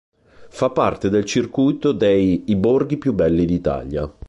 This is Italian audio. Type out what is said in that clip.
Fa parte del circuito dei "I borghi più belli d'Italia".